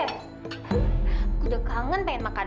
aku udah kangen pengen makan